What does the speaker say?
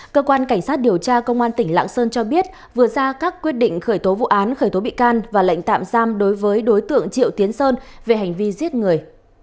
cơ quan cảnh sát điều tra công an tỉnh lạng sơn cho biết vừa ra các quyết định khởi tố vụ án khởi tố bị can và lệnh tạm giam đối với đối tượng triệu tiến sơn về hành vi giết người